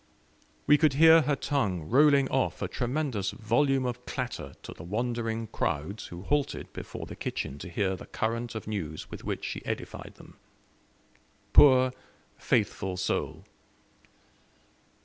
We could hear her tongue rolling off a tremendous volume of clatter to the wondering crowds who halted before the kitchen to hear the current of news with which she edified them. Poor, faithful soul!